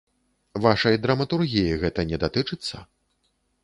Вашай драматургіі гэта не датычыцца?